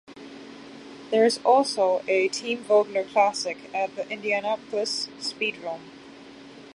There is also a Team Vogler classic at the Indianapolis Speedrome.